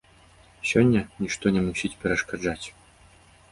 Сёння нішто не мусіць перашкаджаць.